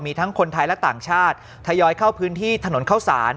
มีทั้งคนไทยและต่างชาติทยอยเข้าพื้นที่ถนนเข้าสาร